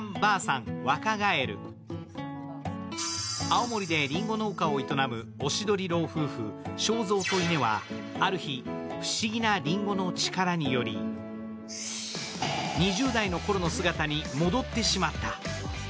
青森でりんご農家を営むおしどり老夫婦・正蔵とイネはある日、不思議なりんごの力により、２０代の頃の姿に戻ってしまった。